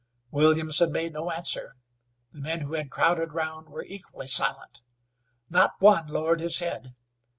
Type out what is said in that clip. Williamson made no answer, the men who had crowded round were equally silent. Not one lowered his head.